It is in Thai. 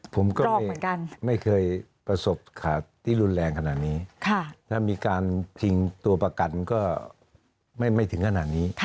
ผมก็ไม่เคยประสบข่าวที่รุนแรงขนาดนี้ถ้ามีการชิงตัวประกันก็ไม่ถึงขนาดนี้